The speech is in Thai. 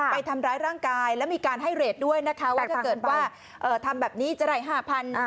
ไปทำร้ายร่างกายแล้วมีการให้เรทด้วยนะคะว่าถ้าเกิดว่าทำแบบนี้จะได้๕๐๐บาท